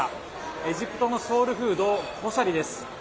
エジプトのソウルフードコシャリです。